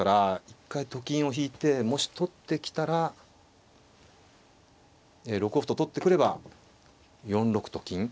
一回と金を引いてもし取ってきたら６五歩と取ってくれば４六と金。